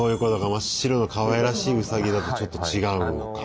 真っ白のかわいらしいウサギだとちょっと違うのか。